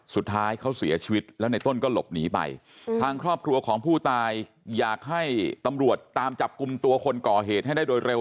สุดท้ายเขาเสียชีวิตแล้วในต้นก็หลบหนีไป